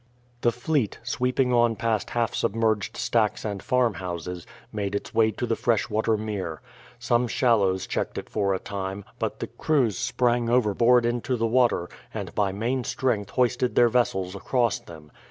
The fleet, sweeping on past half submerged stacks and farm houses, made its way to the fresh water mere. Some shallows checked it for a time, but the crews sprang overboard into the water, and by main strength hoisted their vessels across them.